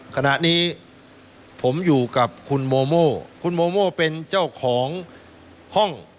ขณะนี้ผมอยู่กับคุณโมโมคุณโมโม่เป็นเจ้าของห้อง